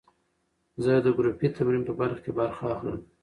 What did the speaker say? زه د ګروپي تمرین په برخه کې برخه اخلم.